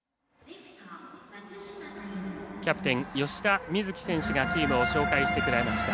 キャプテン吉田瑞樹選手がチームを紹介してくれました。